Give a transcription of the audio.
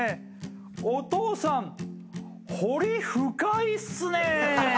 「お父さん彫り深いっすねぇ！」